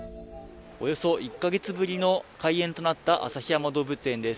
およそ１か月ぶりの開園となった旭山動物園です。